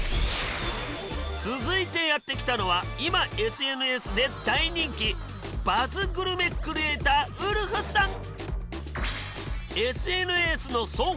続いてやって来たのは今ＳＮＳで大人気バズグルメクリエイターウルフさん。